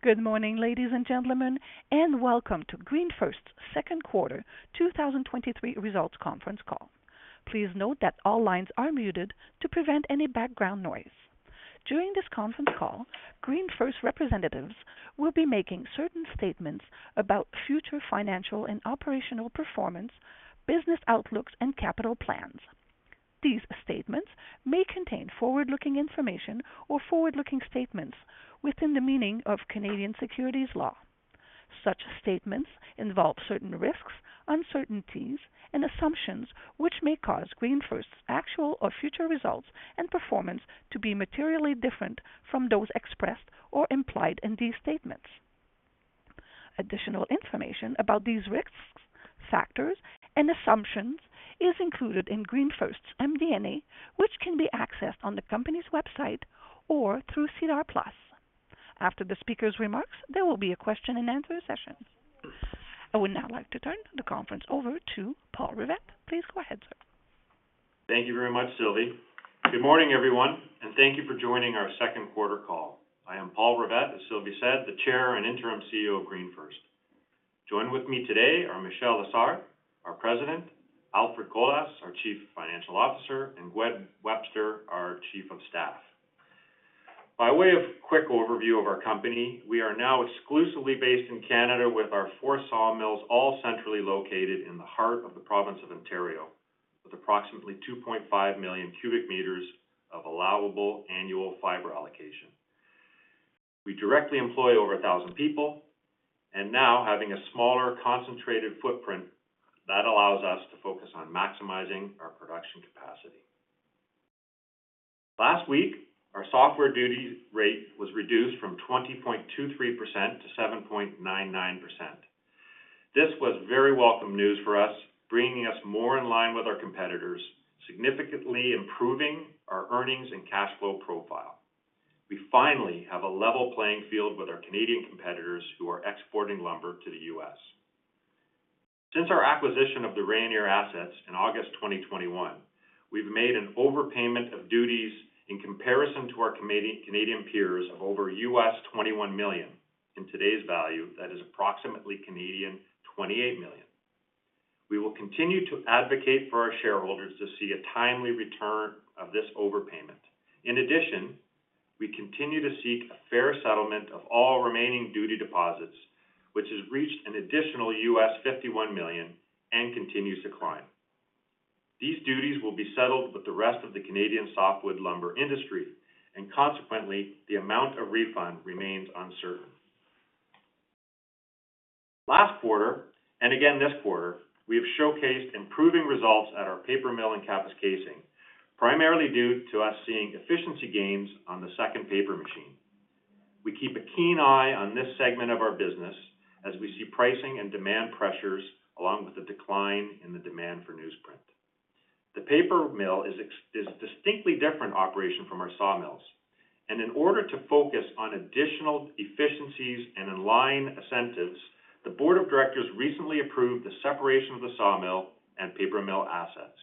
Good morning, ladies and gentlemen, and welcome to GreenFirst's second quarter 2023 results conference call. Please note that all lines are muted to prevent any background noise. During this conference call, GreenFirst representatives will be making certain statements about future financial and operational performance, business outlooks, and capital plans. These statements may contain forward-looking information or forward-looking statements within the meaning of Canadian securities law. Such statements involve certain risks, uncertainties, and assumptions which may cause GreenFirst's actual or future results and performance to be materially different from those expressed or implied in these statements. Additional information about these risks, factors, and assumptions is included in GreenFirst's MD&A, which can be accessed on the company's website or through SEDAR+. After the speaker's remarks, there will be a question-and-answer session. I would now like to turn the conference over to Paul Rivett. Please go ahead, sir. Thank you very much, Sylvie. Good morning, everyone, thank you for joining our second quarter call. I am Paul Rivett, as Sylvie said, the Chair and Interim CEO of GreenFirst. Joining with me today are Michel Lessard, our President; Alfred Colas, our Chief Financial Officer; and Gwen Webster, our Chief of Staff. By way of quick overview of our company, we are now exclusively based in Canada with our four sawmills, all centrally located in the heart of the province of Ontario, with approximately 2.5 million cubic meters of allowable annual fiber allocation. We directly employ over 1,000 people, now having a smaller, concentrated footprint that allows us to focus on maximizing our production capacity. Last week, our softwood lumber duty rate was reduced from 20.23%-7.99%. This was very welcome news for us, bringing us more in line with our competitors, significantly improving our earnings and cash flow profile. We finally have a level playing field with our Canadian competitors who are exporting lumber to the U.S. Since our acquisition of the Rayonier assets in August 2021, we've made an overpayment of duties in comparison to our Canadian, Canadian peers of over $21 million. In today's value, that is approximately 28 million Canadian dollars. We will continue to advocate for our shareholders to see a timely return of this overpayment. In addition, we continue to seek a fair settlement of all remaining duty deposits, which has reached an additional $51 million and continues to climb. These duties will be settled with the rest of the Canadian softwood lumber industry, and consequently, the amount of refund remains uncertain. Last quarter, again this quarter, we have showcased improving results at our paper mill in Kapuskasing, primarily due to us seeing efficiency gains on the second paper machine. We keep a keen eye on this segment of our business as we see pricing and demand pressures, along with a decline in the demand for newsprint. The paper mill is a distinctly different operation from our sawmills, in order to focus on additional efficiencies and in line incentives, the board of directors recently approved the separation of the sawmill and paper mill assets.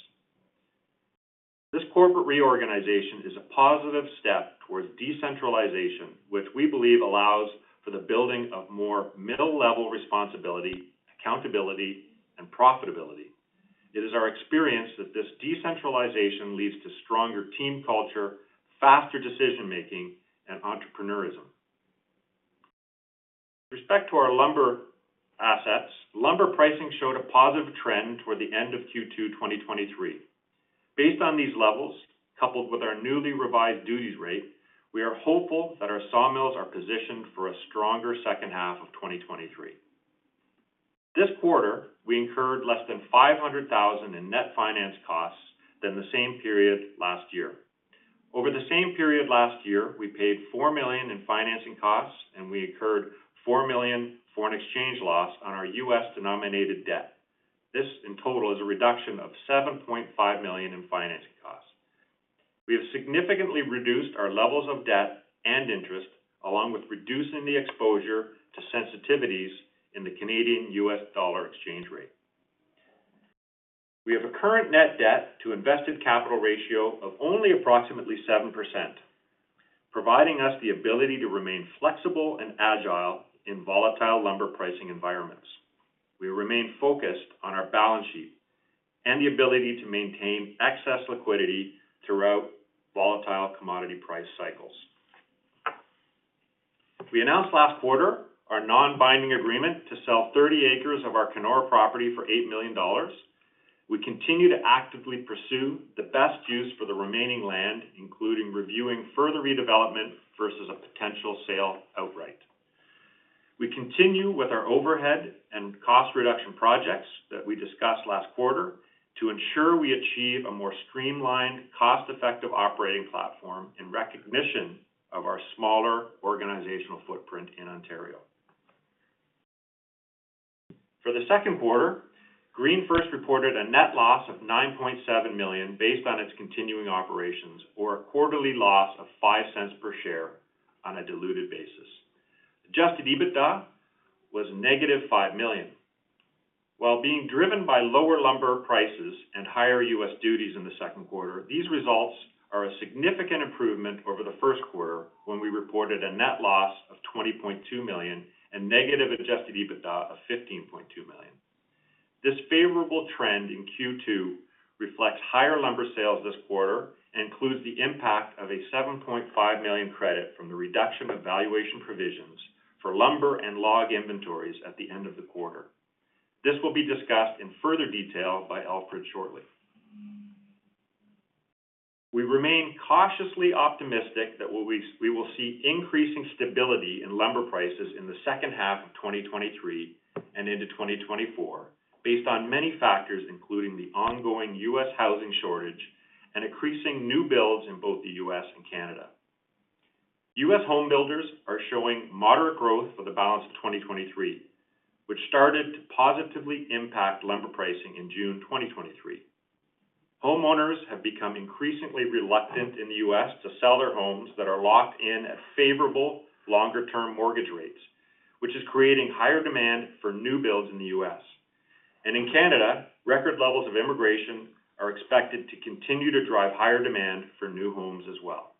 This corporate reorganization is a positive step towards decentralization, which we believe allows for the building of more middle-level responsibility, accountability, and profitability. It is our experience that this decentralization leads to stronger team culture, faster decision-making, and entrepreneurism. With respect to our lumber assets, lumber pricing showed a positive trend toward the end of Q2 2023. Based on these levels, coupled with our newly revised duties rate, we are hopeful that our sawmills are positioned for a stronger second half of 2023. This quarter, we incurred less than $500,000 in net finance costs than the same period last year. Over the same period last year, we paid $4 million in financing costs, and we incurred $4 million foreign exchange loss on our U.S.-denominated debt. This, in total, is a reduction of $7.5 million in financing costs. We have significantly reduced our levels of debt and interest, along with reducing the exposure to sensitivities in the Canadian-U.S. dollar exchange rate. We have a current net debt to invested capital ratio of only approximately 7%, providing us the ability to remain flexible and agile in volatile lumber pricing environments. We remain focused on our balance sheet and the ability to maintain excess liquidity throughout volatile commodity price cycles. We announced last quarter our non-binding agreement to sell 30 acres of our Kenora property for 8 million dollars. We continue to actively pursue the best use for the remaining land, including reviewing further redevelopment versus a potential sale outright. We continue with our overhead and cost reduction projects that we discussed last quarter to ensure we achieve a more streamlined, cost-effective operating platform in recognition of our smaller organizational footprint in Ontario. For the second quarter, GreenFirst reported a net loss of $9.7 million based on its continuing operations, or a quarterly loss of $0.05 per share on a diluted basis. Adjusted EBITDA was negative $5 million. While being driven by lower lumber prices and higher U.S. duties in the second quarter, these results are a significant improvement over the first quarter, when we reported a net loss of $20.2 million and negative adjusted EBITDA of $15.2 million. This favorable trend in Q2 reflects higher lumber sales this quarter and includes the impact of a $7.5 million credit from the reduction of valuation provisions for lumber and log inventories at the end of the quarter. This will be discussed in further detail by Alfred shortly. We remain cautiously optimistic that we will see increasing stability in lumber prices in the second half of 2023 and into 2024, based on many factors, including the ongoing U.S. housing shortage and increasing new builds in both the U.S. and Canada. U.S. home builders are showing moderate growth for the balance of 2023, which started to positively impact lumber pricing in June 2023. Homeowners have become increasingly reluctant in the U.S. to sell their homes that are locked in at favorable, longer-term mortgage rates, which is creating higher demand for new builds in the U.S. In Canada, record levels of immigration are expected to continue to drive higher demand for new homes as well.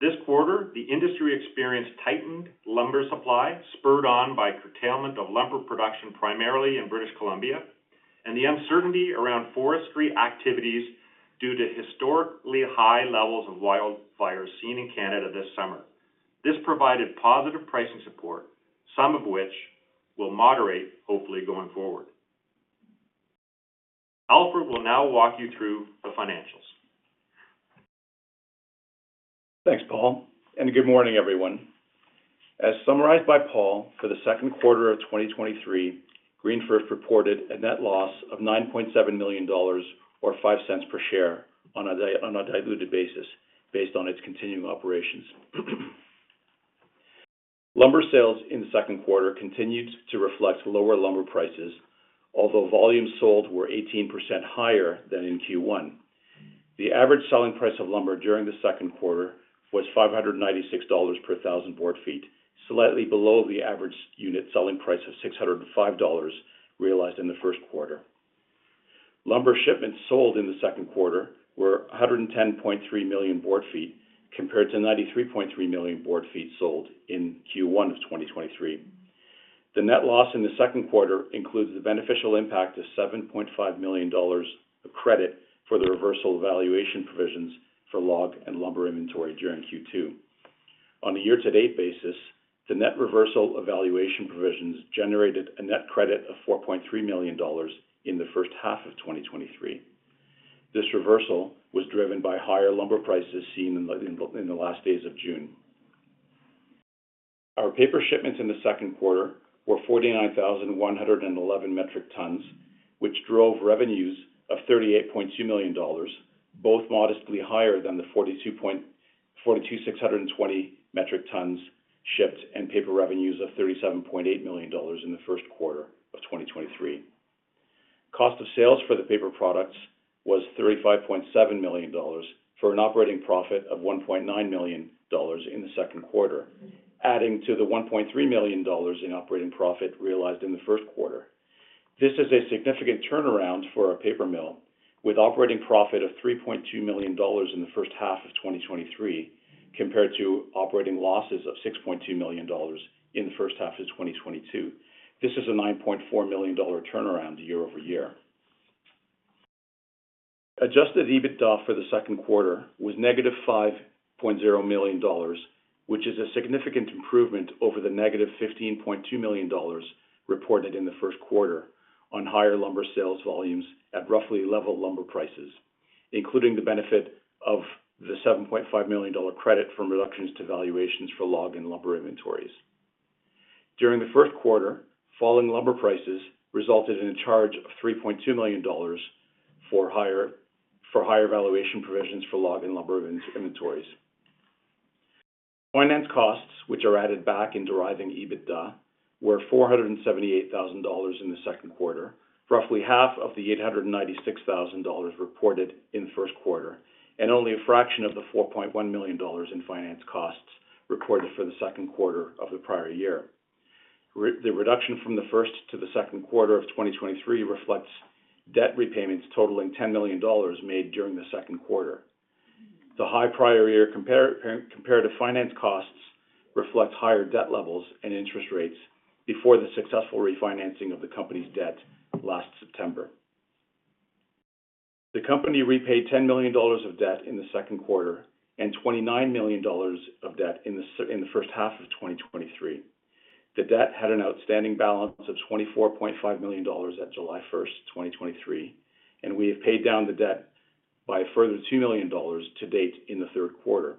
This quarter, the industry experienced tightened lumber supply, spurred on by curtailment of lumber production, primarily in British Columbia, and the uncertainty around forestry activities due to historically high levels of wildfires seen in Canada this summer. This provided positive pricing support, some of which will moderate, hopefully, going forward. Alfred will now walk you through the financials. Thanks, Paul. Good morning, everyone. As summarized by Paul, for the second quarter of 2023, GreenFirst reported a net loss of 9.7 million dollars or 0.05 per share on a diluted basis based on its continuing operations. Lumber sales in the second quarter continued to reflect lower lumber prices, although volumes sold were 18% higher than in Q1. The average selling price of lumber during the second quarter was 596 dollars per thousand board feet, slightly below the average unit selling price of 605 dollars realized in the first quarter. Lumber shipments sold in the second quarter were 110.3 million board feet, compared to 93.3 million board feet sold in Q1 of 2023. The net loss in the second quarter includes the beneficial impact of $7.5 million of credit for the reversal of valuation provisions for log and lumber inventory during Q2. On a year-to-date basis, the net reversal of valuation provisions generated a net credit of $4.3 million in the first half of 2023. This reversal was driven by higher lumber prices seen in the last days of June. Our paper shipments in the second quarter were 49,111 metric tons, which drove revenues of $38.2 million, both modestly higher than the 42,620 metric tons shipped and paper revenues of $37.8 million in the first quarter of 2023. Cost of sales for the paper products was 35.7 million dollars, for an operating profit of 1.9 million dollars in the second quarter, adding to the 1.3 million dollars in operating profit realized in the first quarter. This is a significant turnaround for our paper mill, with operating profit of 3.2 million dollars in the first half of 2023, compared to operating losses of 6.2 million dollars in the first half of 2022. This is a 9.4 million dollar turnaround year-over-year. Adjusted EBITDA for the second quarter was negative 5.0 million dollars, which is a significant improvement over the negative 15.2 million dollars reported in the first quarter on higher lumber sales volumes at roughly level lumber prices, including the benefit of the 7.5 million dollar credit from reductions to valuations for log and lumber inventories. During the first quarter, falling lumber prices resulted in a charge of 3.2 million dollars for higher valuation provisions for log and lumber inventories. Finance costs, which are added back in deriving EBITDA, were 478,000 dollars in the second quarter, roughly half of the 896,000 dollars reported in the first quarter, and only a fraction of the 4.1 million dollars in finance costs reported for the second quarter of the prior year. The reduction from the first to the second quarter of 2023 reflects debt repayments totaling 10 million dollars made during the second quarter. The high prior year comparative finance costs reflect higher debt levels and interest rates before the successful refinancing of the company's debt last September. The company repaid 10 million dollars of debt in the second quarter and 29 million dollars of debt in the first half of 2023. The debt had an outstanding balance of 24.5 million dollars at 1st July 2023, and we have paid down the debt by a further 2 million dollars to date in the third quarter.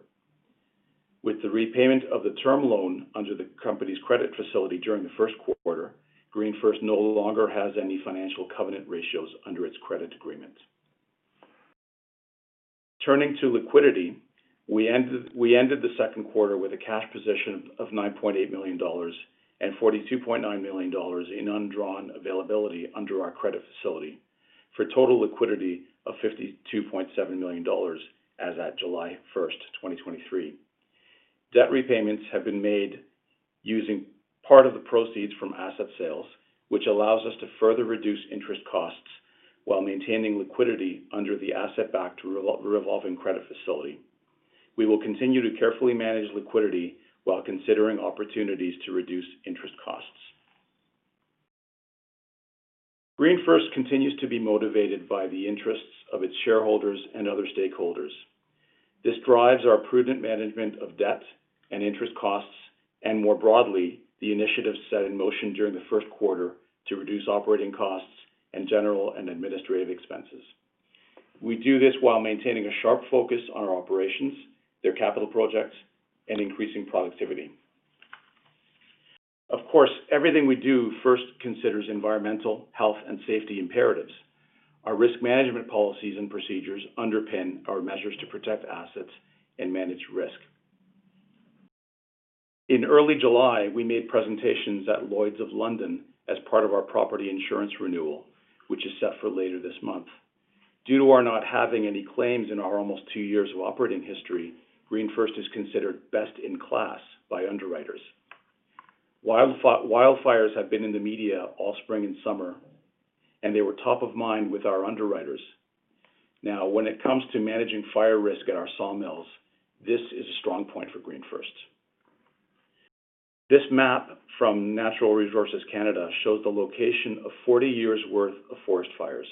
With the repayment of the term loan under the company's credit facility during the first quarter, GreenFirst no longer has any financial covenant ratios under its credit agreement. Turning to liquidity, we ended the second quarter with a cash position of 9.8 million dollars and 42.9 million dollars in undrawn availability under our credit facility, for total liquidity of 52.7 million dollars as at 1stJuly, 2023. Debt repayments have been made using part of the proceeds from asset sales, which allows us to further reduce interest costs while maintaining liquidity under the asset-backed revolving credit facility. We will continue to carefully manage liquidity while considering opportunities to reduce interest costs. GreenFirst continues to be motivated by the interests of its shareholders and other stakeholders. This drives our prudent management of debt and interest costs, and more broadly, the initiatives set in motion during the first quarter to reduce operating costs and general and administrative expenses. We do this while maintaining a sharp focus on our operations, their capital projects, and increasing productivity. Of course, everything we do first considers environmental, health, and safety imperatives. Our risk management policies and procedures underpin our measures to protect assets and manage risk. In early July, we made presentations at Lloyd's of London as part of our property insurance renewal, which is set for later this month. Due to our not having any claims in our almost two years of operating history, GreenFirst is considered best-in-class by underwriters. Wildfires have been in the media all spring and summer, and they were top of mind with our underwriters. When it comes to managing fire risk at our sawmills, this is a strong point for GreenFirst. This map from Natural Resources Canada shows the location of 40 years' worth of forest fires.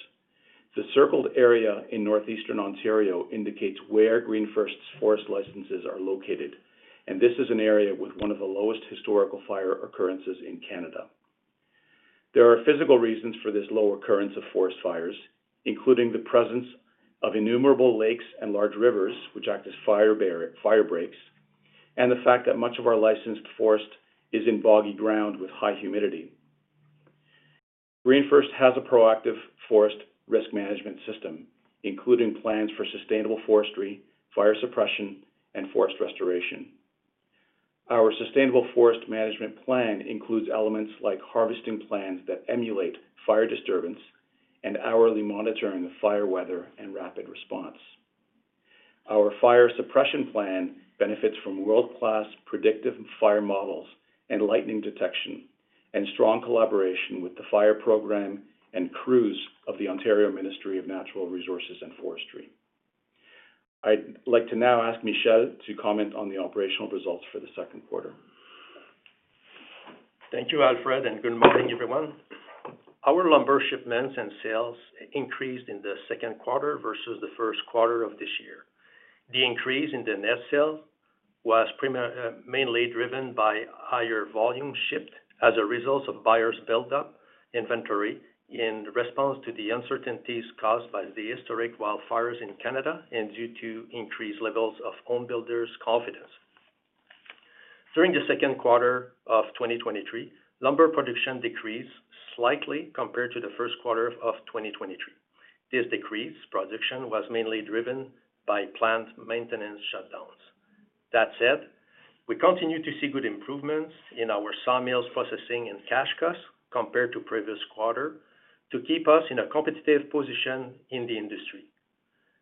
The circled area in Northeastern Ontario indicates where GreenFirst's forest licenses are located. This is an area with one of the lowest historical fire occurrences in Canada. There are physical reasons for this low occurrence of forest fires, including the presence of innumerable lakes and large rivers, which act as fire breaks, and the fact that much of our licensed forest is in boggy ground with high humidity. GreenFirst has a proactive forest risk management system, including plans for sustainable forestry, fire suppression, and forest restoration. Our sustainable forest management plan includes elements like harvesting plans that emulate fire disturbance and hourly monitoring of fire weather and rapid response. Our fire suppression plan benefits from world-class predictive fire models and lightning detection, and strong collaboration with the fire program and crews of the Ontario Ministry of Natural Resources and Forestry. I'd like to now ask Michel to comment on the operational results for the second quarter. Thank you, Alfred, and good morning, everyone. Our lumber shipments and sales increased in the second quarter versus the first quarter of this year. The increase in the net sales was mainly driven by higher volume shipped as a result of buyers' buildup inventory in response to the uncertainties caused by the historic wildfires in Canada and due to increased levels of home builders' confidence. During the second quarter of 2023, lumber production decreased slightly compared to the first quarter of 2023. This decreased production was mainly driven by plant maintenance shutdowns. That said, we continue to see good improvements in our sawmills processing and cash costs compared to previous quarter, to keep us in a competitive position in the industry.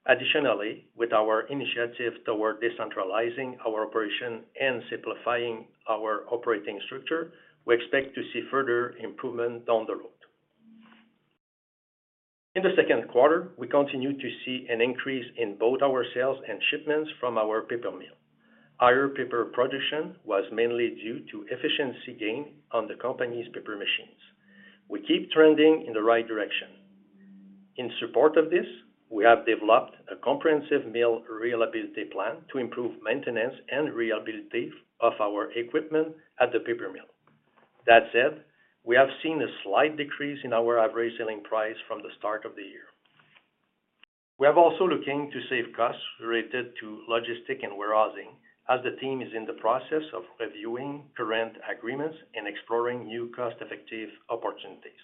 Additionally, with our initiative toward decentralizing our operation and simplifying our operating structure, we expect to see further improvement down the road. In the second quarter, we continued to see an increase in both our sales and shipments from our paper mill. Higher paper production was mainly due to efficiency gain on the company's paper machines. We keep trending in the right direction. In support of this, we have developed a comprehensive mill reliability plan to improve maintenance and reliability of our equipment at the paper mill. That said, we have seen a slight decrease in our average selling price from the start of the year. We are also looking to save costs related to logistics and warehousing, as the team is in the process of reviewing current agreements and exploring new cost-effective opportunities.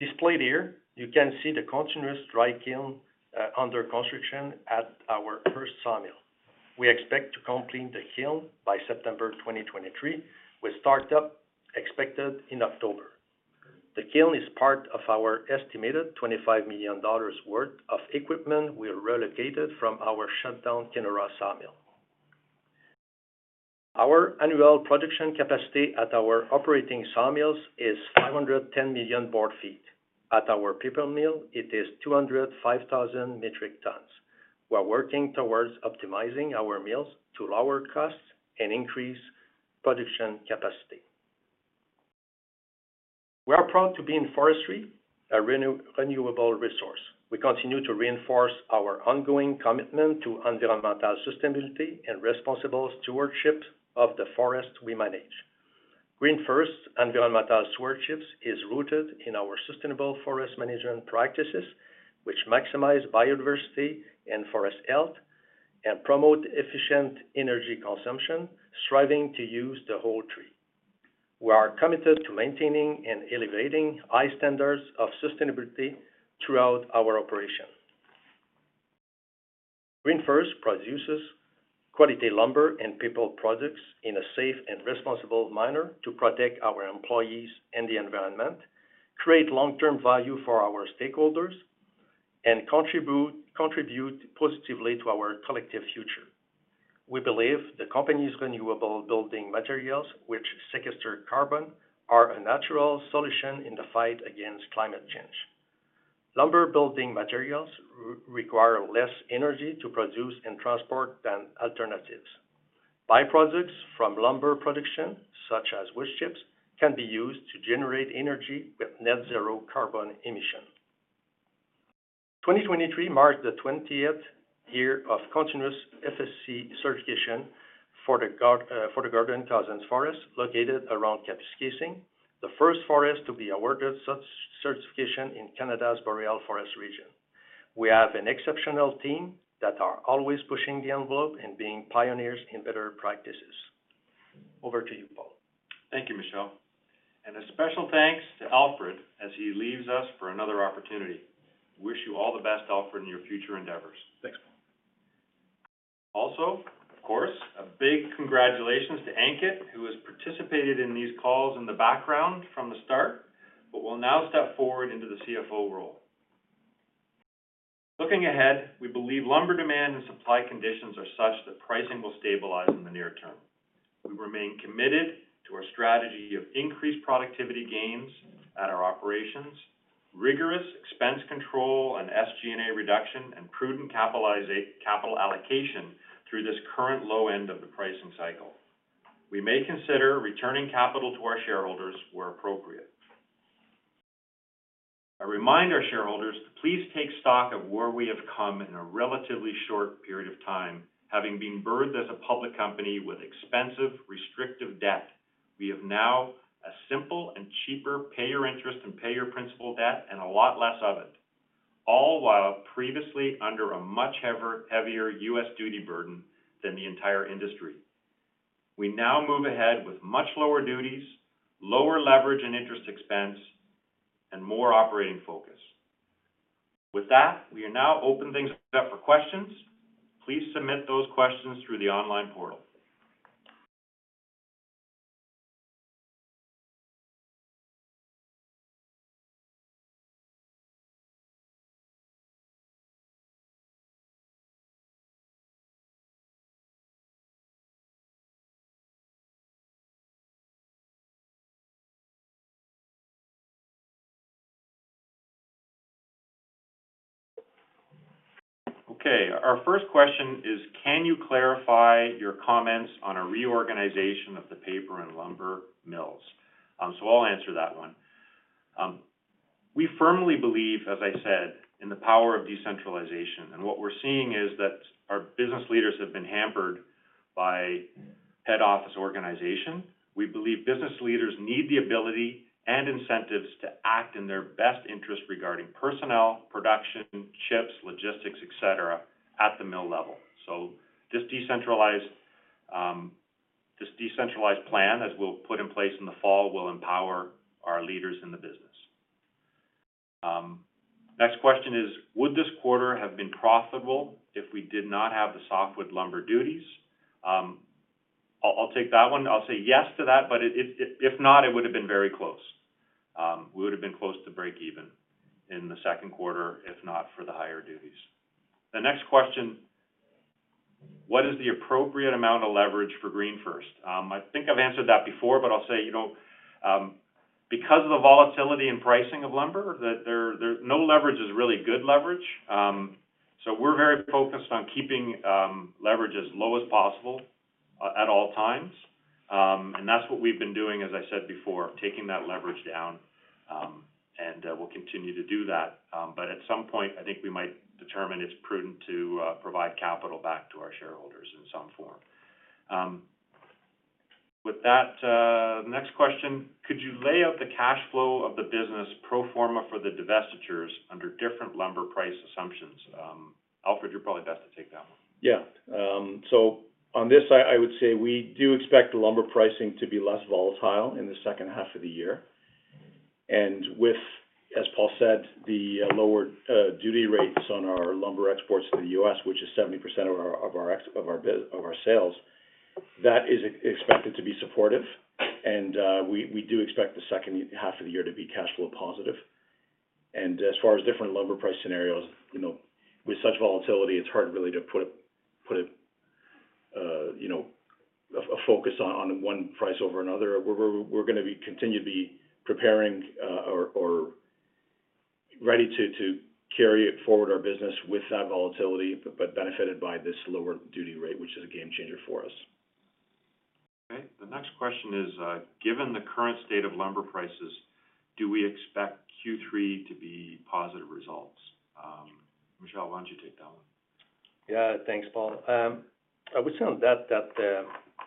Displayed here, you can see the continuous dry kiln under construction at our Hearst sawmill. We expect to complete the kiln by September 2023, with startup expected in October. The kiln is part of our estimated 25 million dollars worth of equipment we relocated from our shutdown Kenora sawmill. Our annual production capacity at our operating sawmills is 510 million board feet. At our paper mill, it is 205,000 metric tons. We are working towards optimizing our mills to lower costs and increase production capacity. We are proud to be in forestry, a renewable resource. We continue to reinforce our ongoing commitment to environmental sustainability and responsible stewardship of the forest we manage. GreenFirst environmental stewardship is rooted in our sustainable forest management practices, which maximize biodiversity and forest health, and promote efficient energy consumption, striving to use the whole tree. We are committed to maintaining and elevating high standards of sustainability throughout our operation. GreenFirst produces... quality lumber and paper products in a safe and responsible manner to protect our employees and the environment, create long-term value for our stakeholders, and contribute positively to our collective future. We believe the company's renewable building materials, which sequester carbon, are a natural solution in the fight against climate change. Lumber building materials require less energy to produce and transport than alternatives. Byproducts from lumber production, such as wood chips, can be used to generate energy with net zero carbon emission. 2023 marked the 20th year of continuous FSC certification for the Gordon Cosens Forest, located around Kapuskasing, the first forest to be awarded such certification in Canada's Boreal Forest region. We have an exceptional team that are always pushing the envelope and being pioneers in better practices. Over to you, Paul. Thank you, Michel, and a special thanks to Alfred as he leaves us for another opportunity. Wish you all the best, Alfred, in your future endeavors. Thanks, Paul. Of course, a big congratulations to Ankit, who has participated in these calls in the background from the start, but will now step forward into the CFO role. Looking ahead, we believe lumber demand and supply conditions are such that pricing will stabilize in the near term. We remain committed to our strategy of increased productivity gains at our operations, rigorous expense control and SG&A reduction, and prudent capital allocation through this current low end of the pricing cycle. We may consider returning capital to our shareholders where appropriate. I remind our shareholders to please take stock of where we have come in a relatively short period of time. Having been birthed as a public company with expensive, restrictive debt, we have now a simple and cheaper pay your interest and pay your principal debt, and a lot less of it, all while previously under a much heavier U.S. duty burden than the entire industry. We now move ahead with much lower duties, lower leverage and interest expense, and more operating focus. With that, we are now open things up for questions. Please submit those questions through the online portal. Okay, our first question is: Can you clarify your comments on a reorganization of the paper and lumber mills? I'll answer that one. We firmly believe, as I said, in the power of decentralization, and what we're seeing is that our business leaders have been hampered by head office organization. This decentralized, this decentralized plan, as we'll put in place in the fall, will empower our leaders in the business. Next question is: Would this quarter have been profitable if we did not have the softwood lumber duties? I'll take that one. I'll say yes to that, it, if not, it would have been very close. We would have been close to breakeven in the second quarter, if not for the higher duties. The next question: What is the appropriate amount of leverage for GreenFirst? I think I've answered that before, I'll say, you know, because of the volatility in pricing of lumber, that there no leverage is really good leverage. We're very focused on keeping leverage as low as possible at all times. That's what we've been doing, as I said before, taking that leverage down, and we'll continue to do that. At some point, I think we might determine it's prudent to provide capital back to our shareholders in some form. With that, next question: Could you lay out the cash flow of the business pro forma for the divestitures under different lumber price assumptions? Alfred, you're probably best to take that one. On this, I, I would say we do expect the lumber pricing to be less volatile in the second half of the year. With, as Paul Rivett said, the lower duty rates on our lumber exports to the U.S., which is 70% of our sales, that is expected to be supportive. We, we do expect the second half of the year to be cash flow positive. As far as different lumber price scenarios, you know, with such volatility, it's hard really to put a, put a, you know, a focus on one price over another. We're gonna be continue to be preparing, or ready to carry it forward our business with that volatility, but benefited by this lower duty rate, which is a game changer for us. Okay. The next question is: Given the current state of lumber prices, do we expect Q3 to be positive results? Michel, why don't you take that one? Yeah. Thanks, Paul. I would say on that, that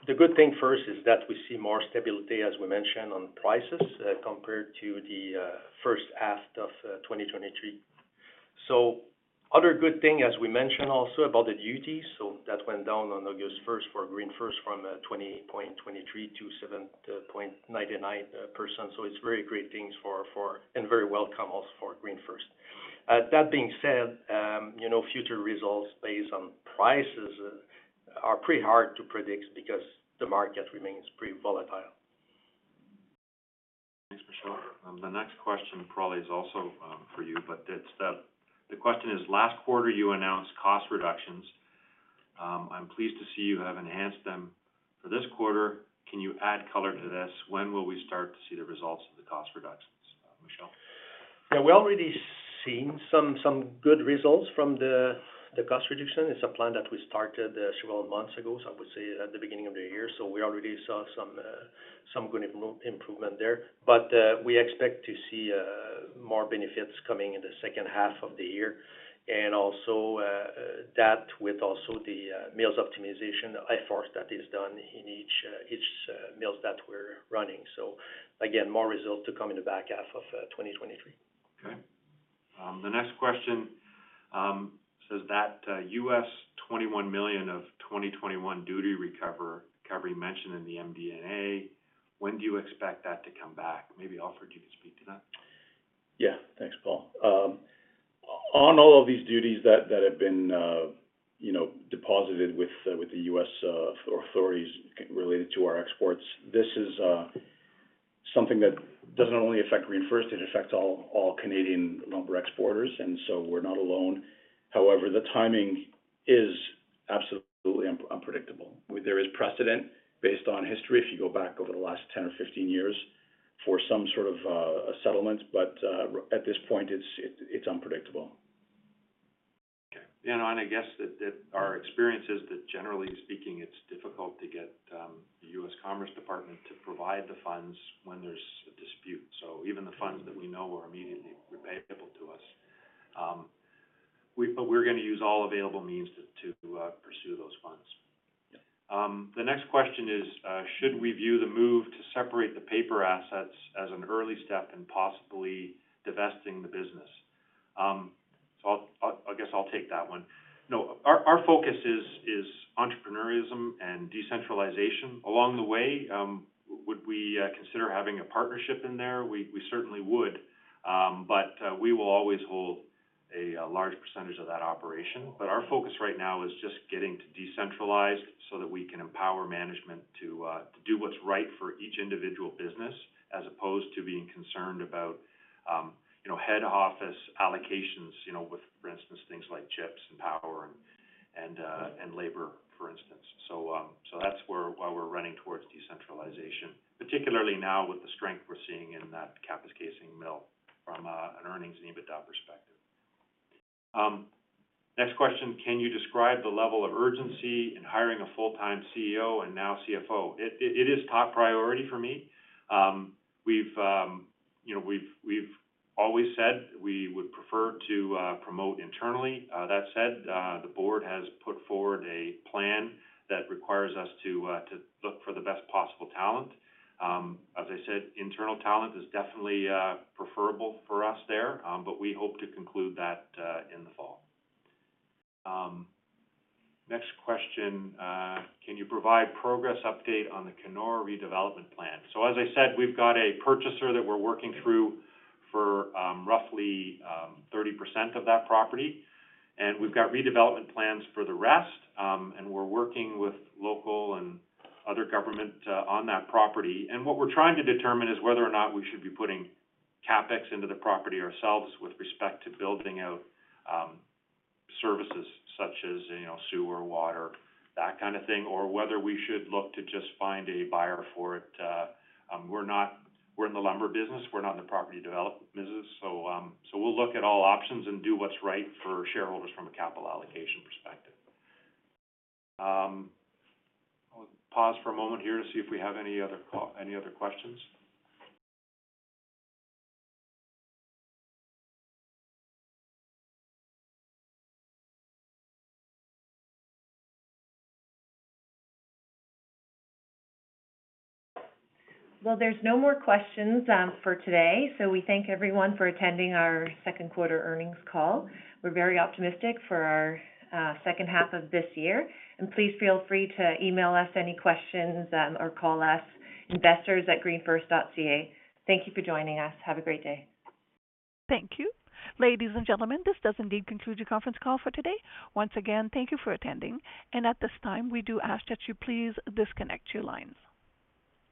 the good thing first is that we see more stability, as we mentioned, on prices, compared to the first half of 2023. Other good thing, as we mentioned, also about the duties, that went down on August first for GreenFirst from 20.23%-7.99%. It's very great things for and very welcome also for GreenFirst. That being said, you know, future results based on prices are pretty hard to predict because the market remains pretty volatile. Thanks, Michel. The next question probably is also for you, but it's... The question is: Last quarter, you announced cost reductions. I'm pleased to see you have enhanced them for this quarter. Can you add color to this? When will we start to see the results of the cost reductions, Michel? Yeah, we're already seeing some, some good results from the, the cost reduction. It's a plan that we started several months ago, so I would say at the beginning of the year. We already saw some, some good improvement there. We expect to see, more benefits coming in the second half of the year, and also, that with also the, mills optimization effort that is done in each, mills that we're running. Again, more results to come in the back half of, 2023. Okay. The next question says that $21 million of 2021 duty recovery mentioned in the MD&A, when do you expect that to come back? Maybe, Alfred, you can speak to that. Yeah. Thanks, Paul. On all of these duties that, that have been, you know, deposited with the U.S. authorities related to our exports, this is something that doesn't only affect GreenFirst, it affects all Canadian lumber exporters, and so we're not alone. However, the timing is absolutely unpredictable. There is precedent based on history, if you go back over the last 10 or 15 years, for some sort of settlement, but at this point, it's unpredictable. Okay. I guess that, that our experience is that generally speaking, it's difficult to get the U.S. Commerce Department to provide the funds when there's a dispute. Even the funds that we know are immediately repayable to us, we're gonna use all available means to, to pursue those funds. Yeah. The next question is: Should we view the move to separate the paper assets as an early step in possibly divesting the business? I'll, I, I guess I'll take that one. No, our, our focus is, is entrepreneurism and decentralization. Along the way, would we consider having a partnership in there? We, we certainly would, we will always hold a large percentage of that operation. Our focus right now is just getting to decentralize so that we can empower management to do what's right for each individual business, as opposed to being concerned about, you know, head office allocations, you know, with, for instance, things like chips and power and, and labor, for instance. That's where, why we're running towards decentralization, particularly now with the strength we're seeing in that Kapuskasing mill from an earnings and EBITDA perspective. Next question: Can you describe the level of urgency in hiring a full-time CEO and now CFO? It is top priority for me. We've, you know, always said we would prefer to promote internally. That said, the board has put forward a plan that requires us to look for the best possible talent. As I said, internal talent is definitely preferable for us there, but we hope to conclude that in the fall. Next question: Can you provide progress update on the Kenora redevelopment plan? As I said, we've got a purchaser that we're working through for, roughly 30% of that property, and we've got redevelopment plans for the rest. We're working with local and other government on that property. What we're trying to determine is whether or not we should be putting CapEx into the property ourselves with respect to building out, services such as, you know, sewer, water, that kind of thing, or whether we should look to just find a buyer for it. We're not. We're in the lumber business, we're not in the property development business. We'll look at all options and do what's right for shareholders from a capital allocation perspective. I'll pause for a moment here to see if we have any other questions. Well, there's no more questions for today. We thank everyone for attending our second quarter earnings call. We're very optimistic for our second half of this year, and please feel free to email us any questions or call us, investors@greenfirst.ca. Thank you for joining us. Have a great day. Thank you. Ladies and gentlemen, this does indeed conclude your conference call for today. Once again, thank you for attending, and at this time, we do ask that you please disconnect your lines.